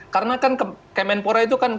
karena kan kemenpora itu kan